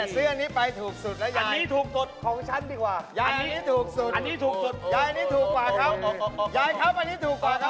ซื้ออันนี้ไปถูกสุดแล้วยายของฉันดีกว่ายายอันนี้ถูกสุดยายอันนี้ถูกกว่าเขายายเขาอันนี้ถูกกว่าเขา